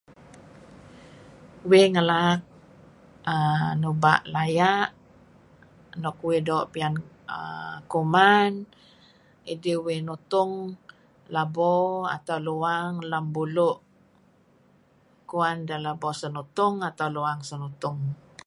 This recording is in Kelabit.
Uih ngelaak aaa... nuba' laya' nuk uih doo pian aaa... kuman, mey uih nutung labo atau luang lem bulu' kuan deh kuh labo senutung, luang senutung.